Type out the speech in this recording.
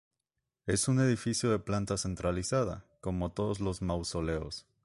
Es un edificio de planta centralizada, como todos los mausoleos.